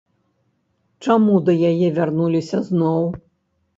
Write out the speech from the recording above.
Чаму да яе вярнуліся зноў?